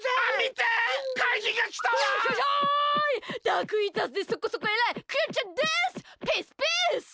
ダークイーターズでそこそこえらいクヨちゃんです！